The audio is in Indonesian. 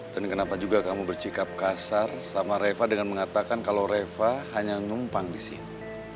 dan kenapa juga kamu bercikap kasar sama reva dengan mengatakan kalau reva hanya numpang di sini